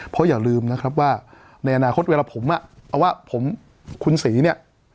เพราะอย่าลืมนะครับว่าในอนาคตเวลาผมเอาว่าผมคุณศรีเนี่ย